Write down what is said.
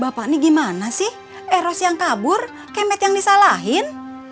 bapak ini gimana sih eros yang kabur kemet yang disalahin